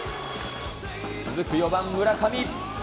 続く４番村上。